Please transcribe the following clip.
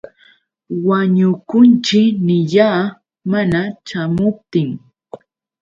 Wañukunćhi niyaa. Mana ćhaamuptin.